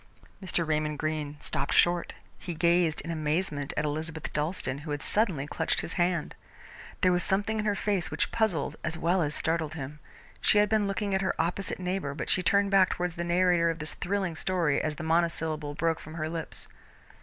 Mr. Raymond Greene stopped short. He gazed in amazement at Elizabeth Dalstan, who had suddenly clutched his hand. There was something in her face which puzzled as well as startled him. She had been looking at her opposite neighbour but she turned back towards the narrator of this thrilling story as the monosyllable broke from her lips.